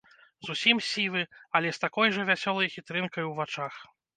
Зусім сівы, але з такой жа вясёлай хітрынкай у вачах.